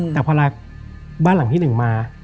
แต่พอลาบ้านหลังที่หนึ่งมา